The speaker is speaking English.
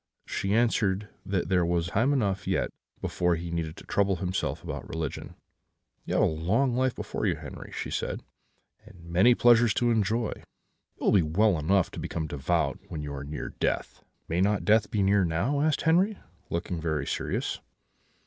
She answered that there was time enough yet before he need trouble himself about religion. "'You have a long life before you, Henri,' she said, 'and have many pleasures to enjoy; it will be well enough to become devout when you are near death.' "'May not death be near now?' said Henri, looking very serious.